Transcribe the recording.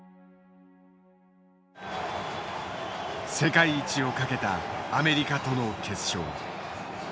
世界一をかけたアメリカとの決勝。